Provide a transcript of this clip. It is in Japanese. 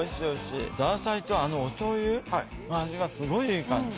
ザーサイとおしょうゆの味がすごいいい感じ。